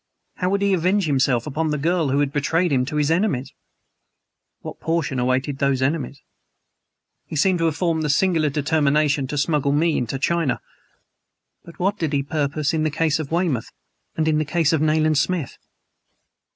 How would he avenge himself upon the girl who had betrayed him to his enemies? What portion awaited those enemies? He seemed to have formed the singular determination to smuggle me into China but what did he purpose in the case of Weymouth, and in the case of Nayland Smith?